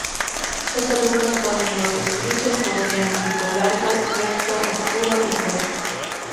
Los adultos ponen huevos grises, poseen un pico largo, recto, oscuro y fuerte.